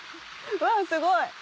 うわっすごい！